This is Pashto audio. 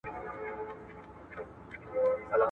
چي د جنوبي هند د دکن په نظاميه مدرسه کي ئې